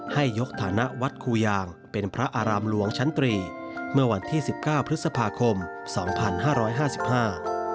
ให้ยกฐานะวัดครูยางเป็นพระอารามหลวงชั้นตรีเมื่อวันที่สิบเก้าพฤษภาคมสองพันห้าร้อยห้าสิบห้า